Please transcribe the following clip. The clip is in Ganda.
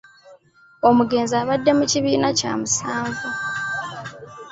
Omugenzi abadde mu kibiina kyamusanvu.